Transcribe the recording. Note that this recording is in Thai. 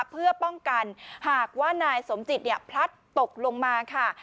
เพื่อป้องกันหากว่านายสมจิตพลัดตกลงมาค่ะ